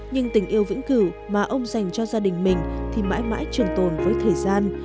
nhưng tình yêu vĩnh cửu mà ông dành cho gia đình mình thì mãi mãi trường tồn với thời gian